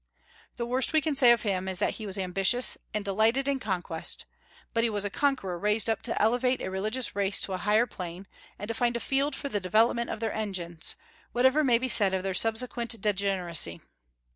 The worst we can say of him is that he was ambitious, and delighted in conquest; but he was a conqueror raised up to elevate a religious race to a higher plane, and to find a field for the development of their energies, whatever may be said of their subsequent degeneracy.